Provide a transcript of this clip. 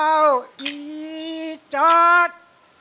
เอาอีจ๊อต